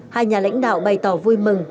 hai nhà lãnh đạo bày tỏ vui mừng